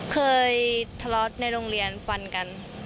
เคยทะเลาะในโรงเรียนฟันกัน